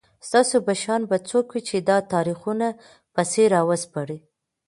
ستاسو په شان به څوک وي چي دا تاریخونه پسي راوسپړي